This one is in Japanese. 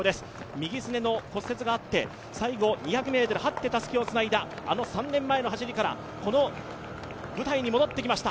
右すねの骨折があって最後２００ｍ、はってたすきをつないだあの３年前の走りからこの舞台に戻ってきました。